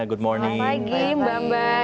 selamat pagi mbak mbak